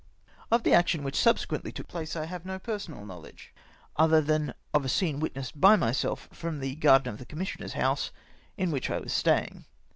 Of the action which subsequently took place I have no personal knowledge, other than that of a scene witnessed by myself from the garden of the commis sioner's house, in which I was staying.